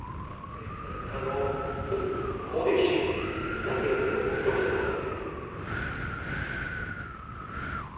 学生時代からの好敵手、御嶽海と北勝富士の対戦。